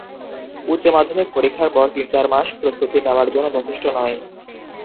উচ্চমাধ্যমিক পরীক্ষার পরের তিন চার মাস প্রস্তুতি নেওয়ার জন্য যথেষ্ট নয়।